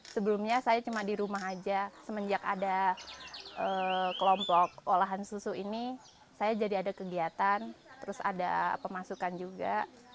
sebelumnya saya cuma di rumah aja semenjak ada kelompok olahan susu ini saya jadi ada kegiatan terus ada pemasukan juga